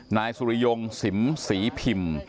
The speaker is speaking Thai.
นายสุริยงสิมศรีพิมพ์